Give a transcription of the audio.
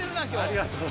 ありがとう。